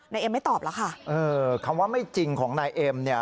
เอ็มไม่ตอบแล้วค่ะเออคำว่าไม่จริงของนายเอ็มเนี่ย